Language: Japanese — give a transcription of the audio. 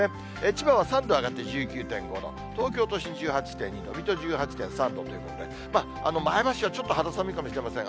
千葉は３度上がって１９．５度、東京都心１８．２度、水戸１８．３度ということで、前橋はちょっと肌寒いかもしれません。